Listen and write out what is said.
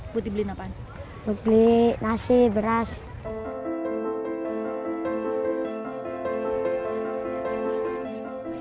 buat beli nasi beras